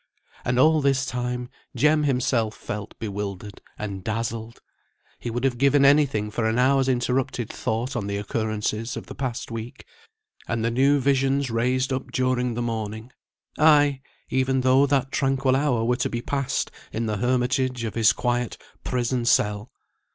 And all this time Jem himself felt bewildered and dazzled; he would have given any thing for an hour's uninterrupted thought on the occurrences of the past week, and the new visions raised up during the morning; aye, even though that tranquil hour were to be passed in the hermitage of his quiet prison cell.